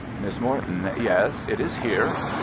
Miss Morton: Yes, it is here.